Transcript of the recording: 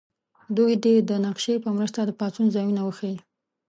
دوی دې د نقشې په مرسته د پاڅون ځایونه وښیي.